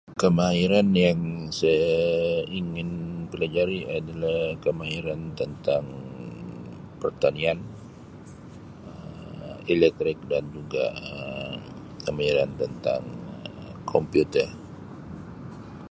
Kemahiran yang saya ingin pelajari adalah kemahiran tentang pertanian Um elektrik dan juga Um kemahiran tentang komputer.